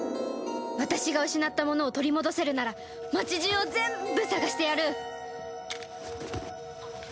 私が失ったものを取り戻せるなら街中を全部探してやる！